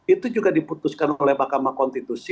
itu juga diputuskan oleh mahkamah konstitusi